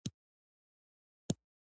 افغانستان د منی په اړه علمي څېړنې لري.